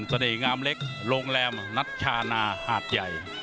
งามเล็กโรงแรมนัชชานาหาดใหญ่